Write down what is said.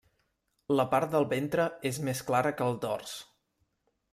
La part del ventre és més clara que el dors.